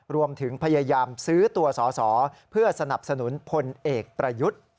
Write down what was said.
รวมถึงพยายามซื้อตัวสอสอเพื่อสนับสนุนพลเอกประยุทธ์